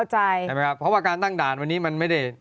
ใช่ไหมครับเพราะว่าการตั้งด่านวันนี้มันไม่ได้